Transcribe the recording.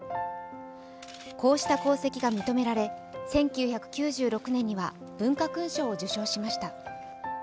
こうした功績が認められ１９９６年には文化勲章を受章しました。